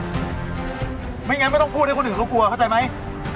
ไม่งั้นไม่ต้องพูดให้คนอื่นเขากลัวเข้าใจไหม